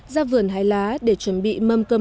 ra vườn hải lá để chuẩn bị mâm cơm